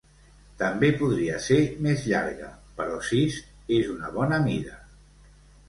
També podria ser més llarga, però sis és una bona mida.